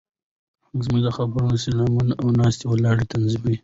فرهنګ زموږ د خبرو، سلامونو او ناسته ولاړه تنظیموي.